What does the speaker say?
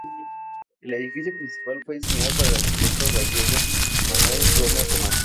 El edificio principal fue diseñado por el arquitecto gallego Manuel Gómez Román.